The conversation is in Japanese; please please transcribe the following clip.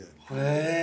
へえ。